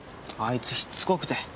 あいつしつこくて。